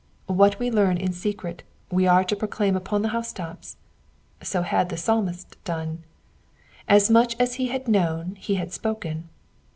What we learn in secret we ore to proclaim upon the housetops. So had the Psa.mist done. As much as ho had known he had spoken.